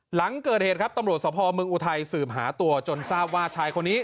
หลังเกิดเหตุครับตำรวจสภเมืองอุทัยสืบหาตัวจนทราบว่าชายคนนี้